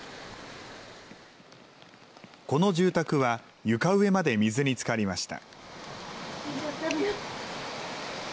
この住宅は床上まで水につかりました。